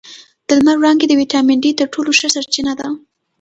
د لمر وړانګې د ویټامین ډي تر ټولو ښه سرچینه ده